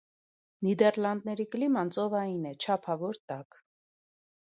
Նիդերլանդների կլիման ծովային է, չափավոր տաք։